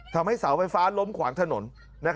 ทำให้เสาไฟฟ้าล้มขวางถนน